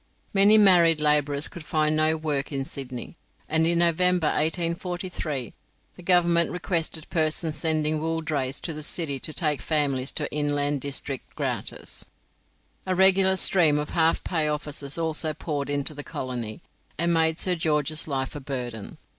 Many married labourers could find no work in Sydney, and in November, 1843, the Government requested persons sending wool drays to the city to take families to inland districts gratis. A regular stream of half pay officers also poured into the colony, and made Sir George's life a burden.